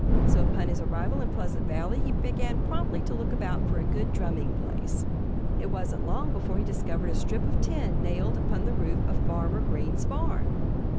So upon his arrival in Pleasant Valley he began promptly to look about for a good drumming place. It wasn't long before he discovered a strip of tin nailed upon the roof of Farmer Green's barn.